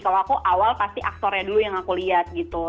kalau aku awal pasti aktornya dulu yang aku lihat gitu